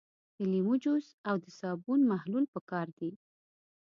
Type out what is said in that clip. د لیمو جوس او د صابون محلول پکار دي.